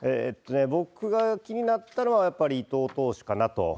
僕が気になったのは、やっぱり伊藤投手かなと。